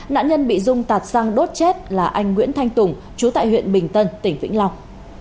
nạn nhân bị dung tạt sang đốt chết là anh nguyễn thanh tùng chú tại huyện bình tân tỉnh vĩnh long